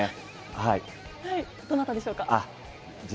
どなたでしょうか？